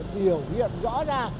biểu hiện rõ ra